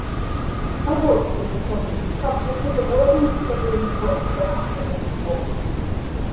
Аборку ўшчаміў, каб ты сабе галаву ўшчаміў у плот, трасца табе ў бок!